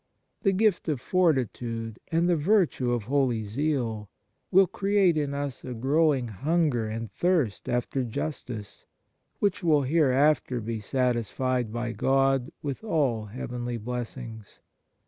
The gift of fortitude and the virtue of holy zeal will create in us a growing hunger and thirst after justice, which will hereafter be satis fied by God with all heavenly blessings.